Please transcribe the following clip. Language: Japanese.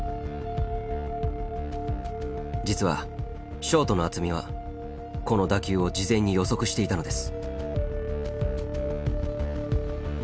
実はショートの渥美はこの打球を事前に予測していたのです。